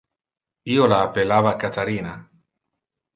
Io la appellava Catharina.